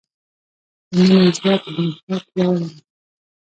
د مینې ځواک له نفرت پیاوړی دی.